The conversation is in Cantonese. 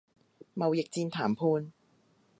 貿易戰談判